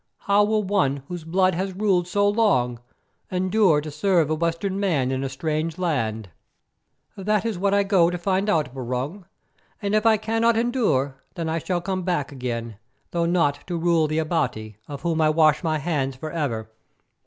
How will one whose blood has ruled so long endure to serve a Western man in a strange land?" "That is what I go to find out, Barung, and if I cannot endure, then I shall come back again, though not to rule the Abati, of whom I wash my hands for ever.